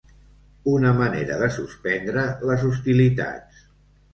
Una manera de suspendre les hostilitats.